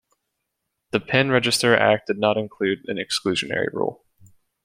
The Pen Register Act did not include an exclusionary rule.